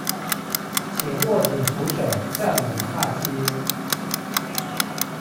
請緊握扶手站穩踏階